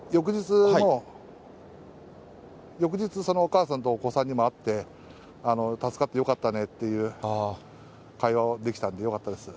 翌日、そのお母さんとお子さんにも会って、助かってよかったねっていう会話をできたんでよかったです。